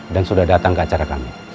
dan sudah datang ke acara kami